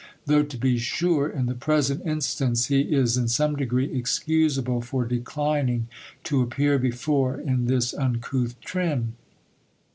Though to be sure, in the present instance, he is in some degree excusable for declining to appear before in this uncouth trim.